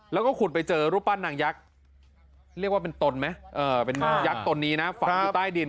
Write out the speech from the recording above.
แล้วก็ขุดไปเจอรูปปั้นนางยักษ์เรียกว่าเป็นตนไหมเป็นยักษ์ตนนี้นะฝังอยู่ใต้ดิน